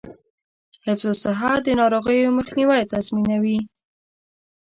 حفظ الصحه د ناروغیو مخنیوی تضمینوي.